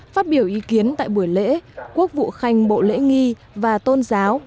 phát biểu ý kiến tại buổi lễ quốc vụ khanh bộ lễ nghi và tôn giáo